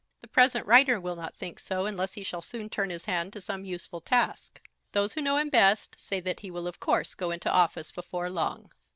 The present writer will not think so unless he shall soon turn his hand to some useful task. Those who know him best say that he will of course go into office before long.